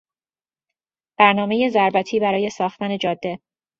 برنامهی ضربتی برای ساختن جاده